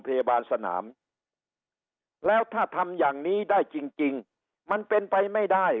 พยาบาลสนามแล้วถ้าทำอย่างนี้ได้จริงมันเป็นไปไม่ได้